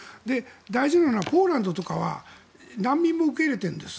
大事なのはポーランドとかは難民も受け入れてるんです。